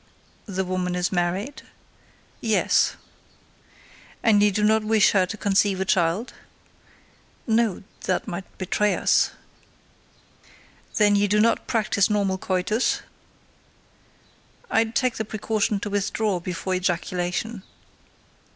"The woman is married?" "Yes." "And you do not wish her to conceive a child?" "No; that might betray us." "Then you do not practice normal coitus?" "I take the precaution to withdraw before ejaculation."